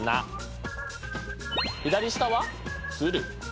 左下は「つる」。